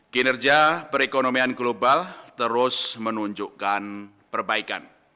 kinerja perekonomian global terus menunjukkan perbaikan